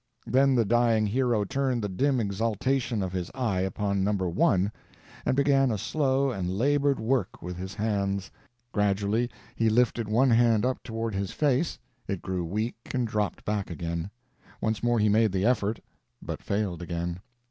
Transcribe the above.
Then the dying hero turned the dim exultation of his eye upon No. 1, and began a slow and labored work with his hands; gradually he lifted one hand up toward his face; it grew weak and dropped back again; once more he made the effort, but failed again.